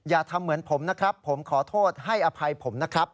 อย่าทำเหมือนผมนะครับผมขอโทษให้อภัยผมนะครับ